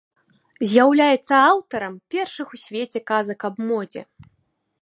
З'яўляецца аўтарам першых у свеце казак аб модзе.